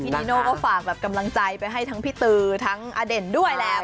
นีโน่ก็ฝากแบบกำลังใจไปให้ทั้งพี่ตือทั้งอเด่นด้วยแหละ